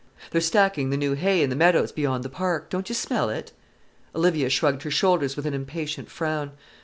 They're stacking the new hay in the meadows beyond the park. Don't you smell it?" Olivia shrugged her shoulders with an impatient frown.